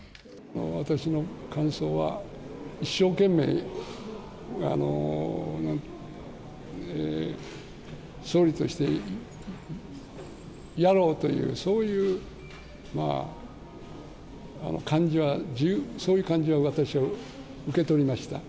私の感想は、一生懸命、総理としてやろうという、そういう感じは私は受け取りました。